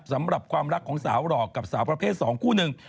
สำหรับความรักของสาวหลอกกับสาวประเภท๒คู่หนึ่ง